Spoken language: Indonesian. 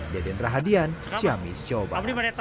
di aden rahadian syamis coba